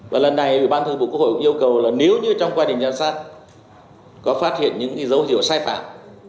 và lần này ủy ban thường vụ quốc hội cũng yêu cầu là nếu như trong quá trình giám sát có phát hiện những dấu hiệu sai phạm